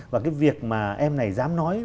và cái việc mà em này dám nói